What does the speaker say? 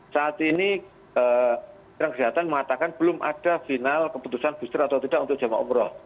saat ini kesehatan mengatakan belum ada final keputusan booster atau tidak untuk jemaah umroh